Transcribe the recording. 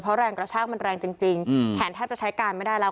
เพราะแรงกระชากมันแรงจริงแขนแทบจะใช้การไม่ได้แล้ว